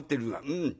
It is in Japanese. うん。